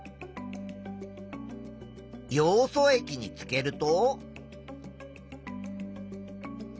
ヨウ素液につけると？